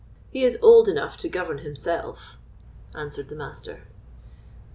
"He is old enough to govern himself," answered the Master.